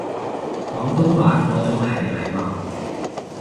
廣東話嗰種係體貌